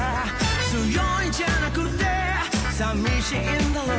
「強いんじゃなくて寂しいんだろう」